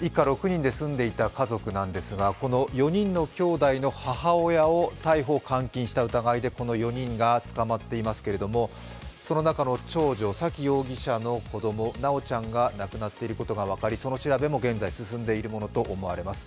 一家６人で住んでいた家族なんですが、４人のきょうだいの母親を逮捕・監禁した疑いで、この４人が捕まっていますけれども、その中の長女・沙喜容疑者の子供、修ちゃんが亡くなっていることがわかりその調べも現在進んでいるものとみられます。